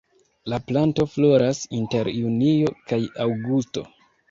La planto floras inter junio kaj aŭgusto.